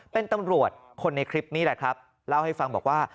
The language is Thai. เป็นตำรวจคนในคลิปนี้แหละครับเล่าให้ฟังบอกว่า